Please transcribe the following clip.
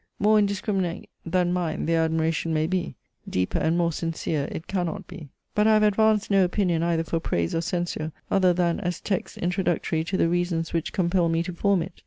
More indiscriminate than mine their admiration may be: deeper and more sincere it cannot be. But I have advanced no opinion either for praise or censure, other than as texts introductory to the reasons which compel me to form it.